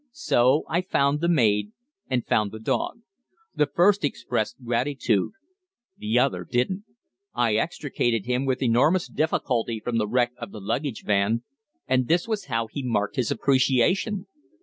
So I found the maid and found the dog. The first expressed gratitude; the other didn't. I extricated him with enormous difficulty from the wreck of the luggage van, and this was how he marked his appreciation."